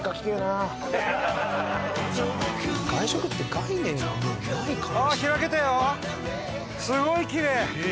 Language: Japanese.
「外食って概念がもうない感じ」